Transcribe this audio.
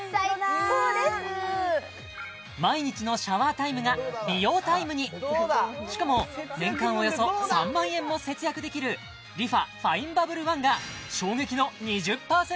毎日のシャワータイムが美容タイムにしかも年間およそ３万円も節約できるＲｅＦａＦＩＮＥＢＵＢＢＬＥＯＮＥが衝撃の２０％